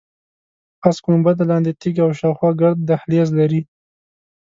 پاس ګنبده، لاندې تیږه او شاخوا ګرد دهلیز لري.